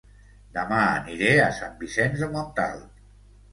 Dema aniré a Sant Vicenç de Montalt